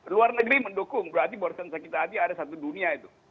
luar negeri mendukung berarti warisan sakit hati ada satu dunia itu